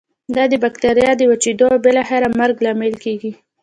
دا د بکټریا د وچیدو او بالاخره مرګ لامل کیږي.